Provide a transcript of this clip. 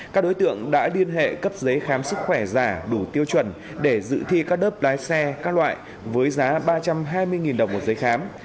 các đối tượng đã liên hệ cấp giấy khám sức khỏe giả đủ tiêu chuẩn để dự thi các lớp lái xe các loại với giá ba trăm hai mươi đồng một giấy khám